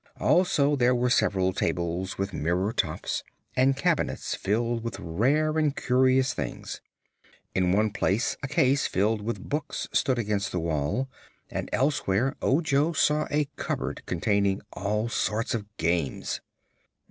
Also there were several tables with mirror tops and cabinets filled with rare and curious things. In one place a case filled with books stood against the wall, and elsewhere Ojo saw a cupboard containing all sorts of games.